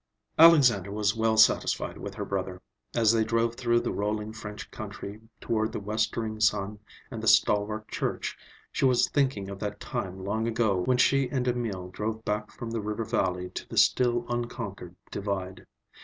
Alexandra was well satisfied with her brother. As they drove through the rolling French country toward the westering sun and the stalwart church, she was thinking of that time long ago when she and Emil drove back from the river valley to the still unconquered Divide.